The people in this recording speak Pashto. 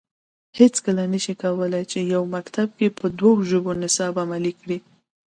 هیڅکله نه شي کولای چې یو مکتب کې په دوه ژبو نصاب عملي کړي